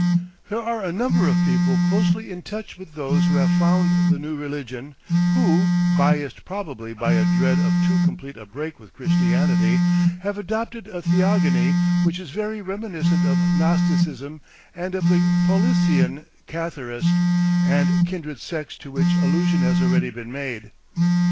There are a number of people closely in touch with those who have found the new religion who, biased probably by a dread of too complete a break with Christianity, have adopted a theogony which is very reminiscent of Gnosticism and of the Paulician, Catharist, and kindred sects to which allusion has already been made.